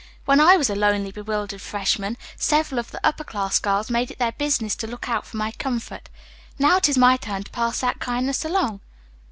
"When I was a lonely, bewildered freshman, several of the upper class girls made it their business to look out for my comfort. Now it is my turn to pass that kindness along."